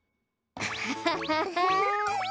ハハハハ。